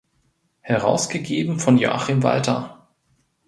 Herausgegeben von Joachim Walter.